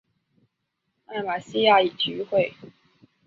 艾马希亚体育会。